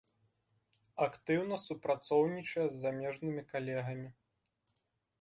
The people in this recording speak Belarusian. Актыўна супрацоўнічае з замежнымі калегамі.